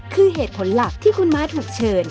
คือเหตุผลหลักที่คุณม้าถูกเชิญ